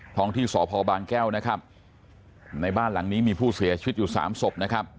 ท้องที่สพบางแก้วนะครับในบ้านหลังนี้มีผู้เสียชีวิตอยู่สามศพนะครับ